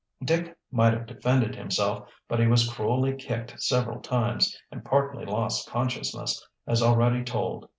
Dick might have defended himself, but he was cruelly kicked several times, and partly lost consciousness, as already told.